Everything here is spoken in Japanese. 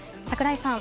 櫻井さん。